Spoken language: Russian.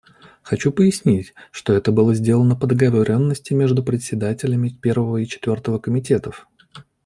Хочу пояснить, что это было сделано по договоренности между председателями Первого и Четвертого комитетов.